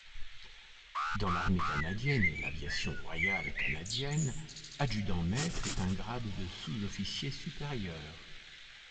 Dans l'Armée canadienne et l'Aviation royale canadienne, adjudant-maître est un grade de sous-officiers supérieurs.